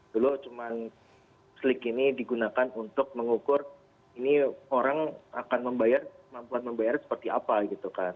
dulu cuma slik ini digunakan untuk mengukur ini orang akan membayar mampuan membayar seperti apa gitu kan